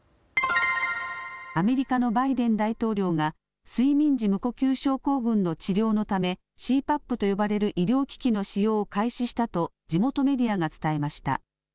アメリカのバイデン大統領が睡眠時無呼吸症候群の治療のためＣＰＡＰと呼ばれる医療機器の使用を開始したと地元メディアが伝えました。